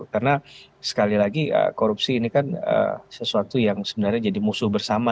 karena sekali lagi korupsi ini kan sesuatu yang sebenarnya jadi musuh bersama